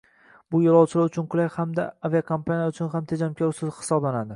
Bu yoʻlovchilar uchun qulay hamda aviakompaniya uchun ham tejamkor usul hisoblanadi